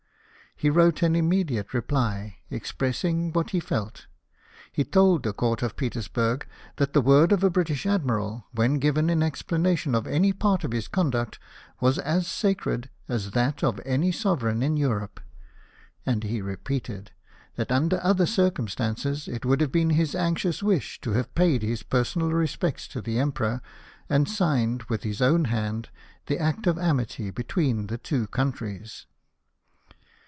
He wrote an immediate reply, expressing what he felt ; he told the Court of Petersburg, " that the word of a British Admiral, when given in explanation of any part of his conduct, was as sacred as that of any Sovereign in Europe." And he repeated, " that, under other circumstances, it would have been his anxious wish to have paid his personal respects to the Emperor, and signed, with his own hand, the act of amity between the two countries."